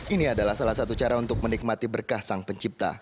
ini adalah salah satu cara untuk menikmati berkah sang pencipta